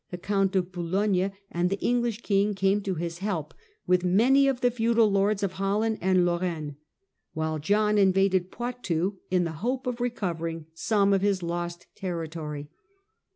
the Count of Boulogne, and the English king came to his help, with many of the feudal lords of Holland and Lorraine, while John invaded Poitou in the hope of recovering some of his lost territory.